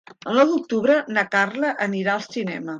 El nou d'octubre na Carla anirà al cinema.